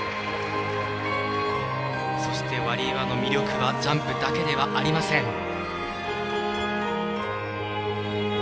そしてワリエワの魅力はジャンプだけではありません。